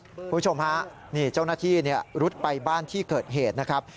คุณผู้ชมฮะนี่เจ้าหน้าที่รุดไปบ้านที่เกิดเหตุนะครับ